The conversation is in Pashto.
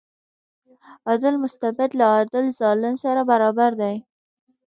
عادل مستبد له عادل ظالم سره برابر دی.